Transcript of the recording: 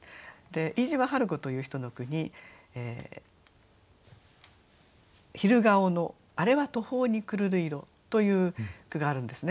飯島晴子という人の句に「昼顔のあれは途方に暮るる色」という句があるんですね。